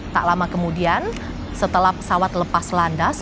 tak lama kemudian setelah pesawat lepas landas